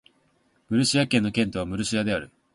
ムルシア県の県都はムルシアである